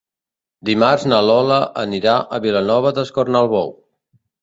Dimarts na Lola anirà a Vilanova d'Escornalbou.